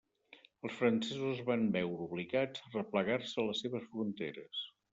Els francesos es van veure obligats a replegar-se a les seves fronteres.